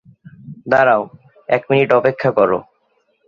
দাঁড়াও, এক মিনিট অপেক্ষা কর।